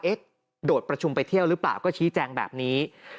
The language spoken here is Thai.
โดดประชุมไปเที่ยวหรือเปล่าก็ชี้แจงแบบนี้